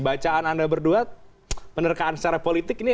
bacaan anda berdua penerkaan secara politik ini